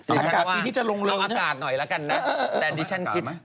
เออเอาอากาศหน่อยแล้วกันนะแต่ดิฉันคิด